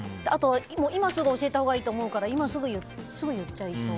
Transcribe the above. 今すぐ教えたほうがいいと思うから今すぐ言っちゃいそう。